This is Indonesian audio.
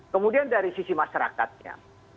kemudian dari sisi masyarakatnya